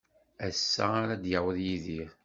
Ass-a ara d-yaweḍ Yidir.